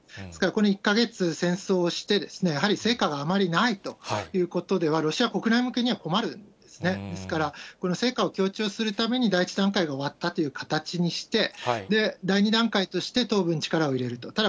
ですから、この１か月、戦争をしてやはり成果があまりないということでは、ロシア国内向けには困るんですね、ですから成果を強調するために第１段階が終わったという形にして、第２段階として東部に力を入れると。